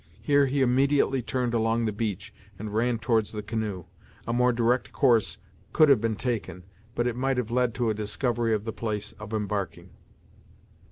Here he immediately turned along the beach and ran towards the canoe. A more direct course could have been taken, but it might have led to a discovery of the place of embarking.